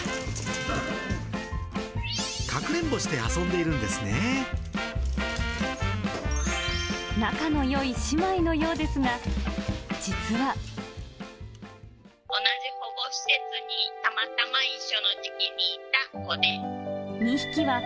かくれんぼして遊んでいるん仲のよい姉妹のようですが、同じ保護施設に、たまたま一緒の時期にいた子で。